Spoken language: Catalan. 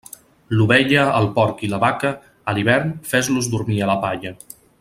L'ovella, el porc i la vaca, a l'hivern fes-los dormir a la palla.